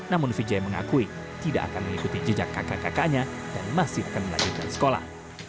namun vijay mengakui tidak akan mengikuti jejak kakak kakaknya dan masih akan melanjutkan sekolah